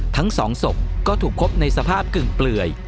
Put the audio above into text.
ทั้งสองศพก็ถูกพบในสภาพกึ่งเปลื่อย